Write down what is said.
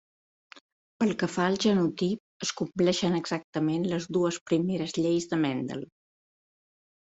Pel que fa al genotip, es compleixen exactament les dues primeres lleis de Mendel.